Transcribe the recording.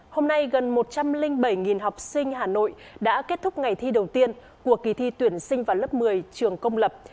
hôm nay gần một trăm linh bảy học sinh hà nội đã kết thúc ngày thi đầu tiên của kỳ thi tuyển sinh vào lớp một mươi trường công lập